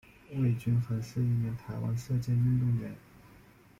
魏均珩是一名台湾射箭运动员。